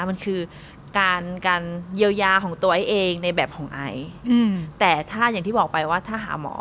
มันคือการการเยียวยาของตัวเองในแบบของไอแต่ถ้าอย่างที่บอกไปว่าถ้าหาหมอ